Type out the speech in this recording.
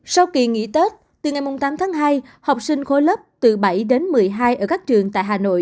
sau kỳ nghỉ tết từ ngày tám tháng hai học sinh khối lớp từ bảy đến một mươi hai ở các trường tại hà nội